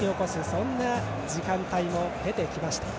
そんな時間帯も出てきました。